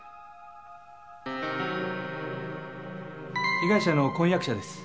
被害者の婚約者です。